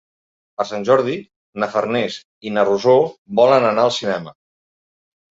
Per Sant Jordi na Farners i na Rosó volen anar al cinema.